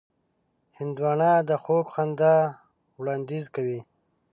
هندوانه د خوږ خندا وړاندیز کوي.